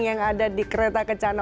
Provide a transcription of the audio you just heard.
yang ada di kereta kencana